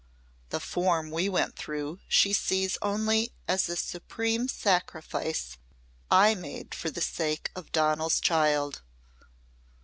The form we went through she sees only as a supreme sacrifice I made for the sake of Donal's child.